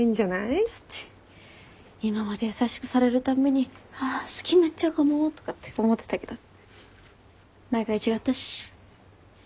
だって今まで優しくされるたんびにああ好きになっちゃうかもとかって思ってたけど毎回違ったし。